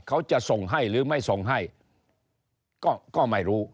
เขาจะส่งให้หรือไม่ส่งให้ก็ไม่รู้